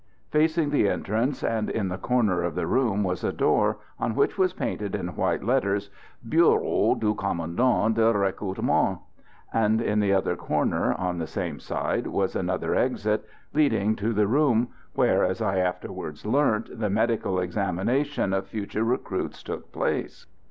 Facing the entrance and in the corner of the room was a door, on which was painted in white letters, "Bureau du Commandant de Recrutement"; and in the other corner, on the same side, was another exit, leading to the room where, as I afterwards learnt, the medical examination of future recruits took place.